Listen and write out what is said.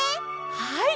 はい。